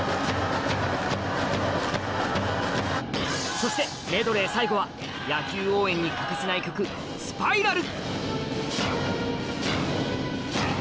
そしてメドレー最後は野球応援に欠かせない曲『スパイラル』